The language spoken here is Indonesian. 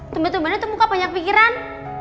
tumben tumben itu muka banyak pikiran